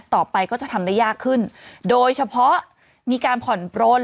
ต่อไปก็จะทำได้ยากขึ้นโดยเฉพาะมีการผ่อนปลน